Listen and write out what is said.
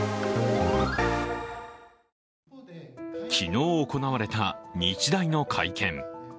昨日行われた日大の会見。